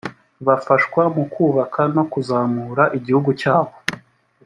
bafashwa mu kubaka no kuzamura igihugu cyabo